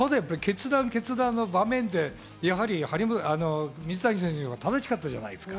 決断の場面で水谷選手のほうが正しかったじゃないですか。